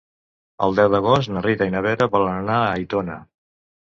El deu d'agost na Rita i na Vera volen anar a Aitona.